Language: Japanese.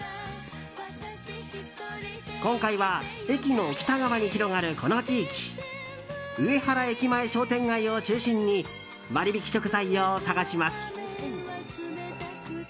今回は駅の北側に広がるこの地域上原駅前商店街を中心に割引食材を探します。